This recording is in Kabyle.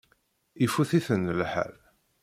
Ifut-iten lḥal.